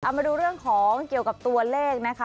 มาดูเรื่องของเกี่ยวกับตัวเลขนะคะ